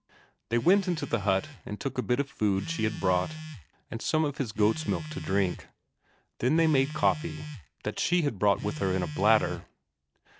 They went into the hut and took a bit of the food she had brought, and some of his goats' milk to drink; then they made coffee, that she had brought with her in a bladder.